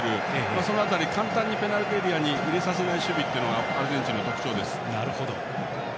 その辺り、簡単にペナルティーエリアに入れさせない守備というのがアルゼンチンの特徴です。